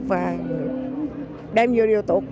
và đem nhiều điều